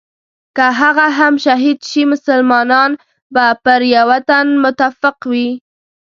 که هغه هم شهید شي مسلمانان به پر یوه تن متفق وي.